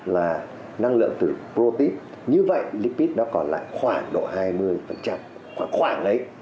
một mươi ba là năng lượng từ protein như vậy lipid nó còn lại khoảng độ hai mươi khoảng khoảng đấy